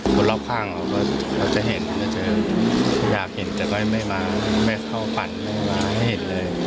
คนรอบข้างเขาก็จะเห็นจะเจออยากเห็นแต่ก็ไม่เข้าฝันไม่มาให้เห็นเลย